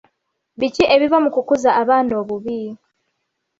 Biki ebiva mu kukuza abaana obubi?